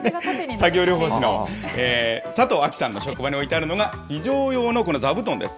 作業療法士の佐藤亜樹さんの職場に置いてあるのが、非常用の、この座布団です。